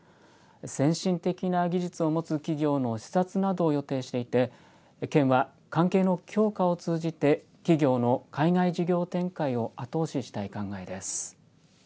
先進的な技術を持つ企業の視察などを予定していて県は関係の強化を通じて企業の海外事業展開を後押ししたい考えです。